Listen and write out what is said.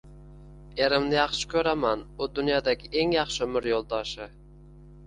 Erimni yaxshi koʻraman, u dunyodagi eng yaxshi umr yoʻldoshi